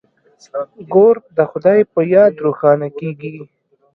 کور د خدای په یاد روښانه کیږي.